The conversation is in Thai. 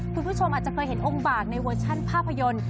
คุณผู้ชมอาจจะเคยเห็นองค์บากในเวอร์ชันภาพยนตร์